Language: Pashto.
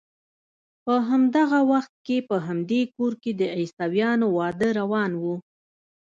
په همدغه وخت کې په همدې کور کې د عیسویانو واده روان و.